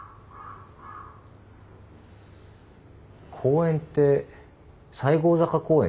公園って西郷坂公園ですか？